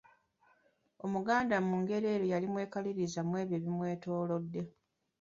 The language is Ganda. Omuganda mu ngeri eyo yali mwekalirizi webyo ebimwetoolodde.